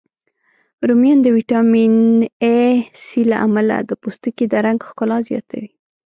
رومیان د ویټامین C، A، له امله د پوستکي د رنګ ښکلا زیاتوی